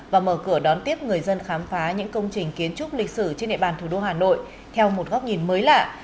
và mở cửa đón tiếp người dân khám phá những công trình kiến trúc lịch sử trên địa bàn thủ đô hà nội theo một góc nhìn mới lạ